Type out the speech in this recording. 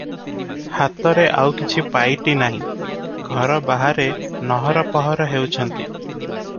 ହାତରେ ଆଉ କିଛି ପାଇଟି ନାହିଁ, ଘର ବାହାରେ ନହର ପହର ହେଉଛନ୍ତି ।